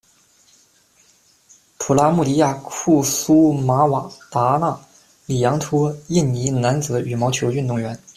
普拉穆迪亚·库苏马瓦达纳·里扬托，印尼男子羽毛球运动员。